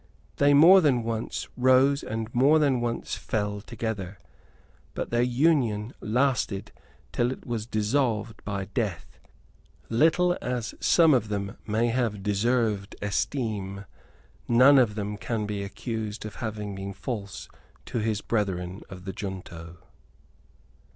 They more than once rose and more than once fell together. But their union lasted till it was dissolved by death. Little as some of them may have deserved esteem, none of them can be accused of having been false to his brethren of the Junto.